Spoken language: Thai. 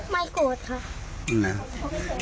ไม่โกรธครับ